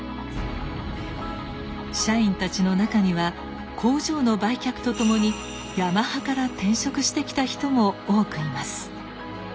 社員たちの中には工場の売却とともにヤマハから転職してきた人も多くいます。